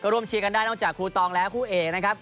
รวมที่จากน้องจากครูตองและและครูเอกนะครับ